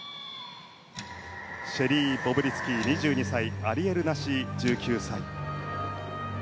シェリー・ボブリツキー、２２歳アリエル・ナシー、１９歳。